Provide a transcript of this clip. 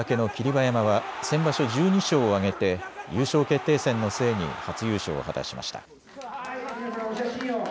馬山は先場所１２勝を挙げて優勝決定戦の末に初優勝を果たしました。